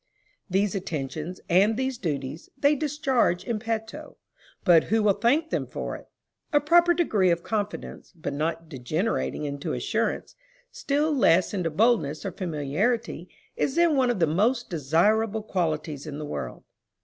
These attentions, and these duties, they discharge in petto, but who will thank them for it? A proper degree of confidence, but not degenerating into assurance, still less into boldness or familiarity, is then one of the most desirable qualities in the world.